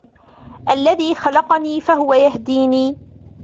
الَّذِي خَلَقَنِي فَهُوَ يَهْدِينِ